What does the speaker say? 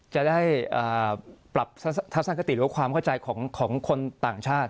จะได้ปรับทัศนคติหรือว่าความเข้าใจของคนต่างชาติ